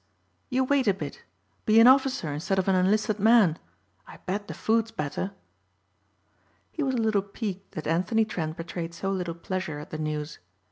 You wait a bit. Be an officer instead of an enlisted man. I bet the food's better." He was a little piqued that Anthony Trent betrayed so little pleasure at the news.